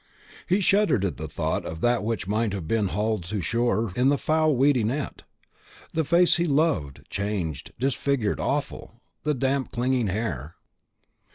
He shuddered at the thought of that which might have been hauled to shore in the foul weedy net. The face he loved, changed, disfigured, awful the damp clinging hair.